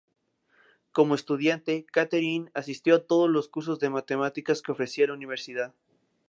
Como estudiante, Katherine asistió a todos los cursos de matemáticas que ofrecía la universidad.